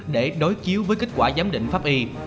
để đối chiếu với kết quả giám định pháp y